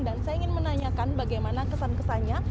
dan saya ingin menanyakan bagaimana kesan kesannya